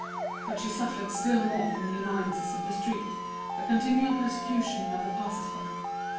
But she suffered still more from the annoyances of the street, the continual persecution of the passers by.